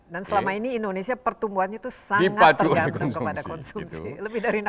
dan selama ini indonesia pertumbuhannya sangat tergantung kepada konsumsi